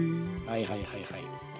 はいはいはいはい。